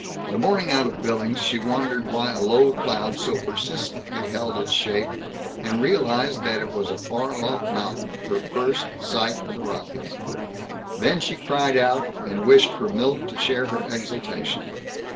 The morning out of Billings, she wondered why a low cloud so persistently held its shape, and realized that it was a far off mountain, her first sight of the Rockies. Then she cried out, and wished for Milt to share her exultation.